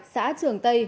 xã trường tây